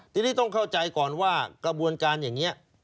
ทีนี้ต้องเข้าใจก่อนว่ากระบวนการอย่างนี้